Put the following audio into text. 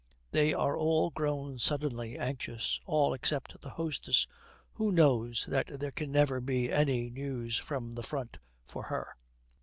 They are all grown suddenly anxious all except the hostess, who knows that there can never be any news from the Front for her.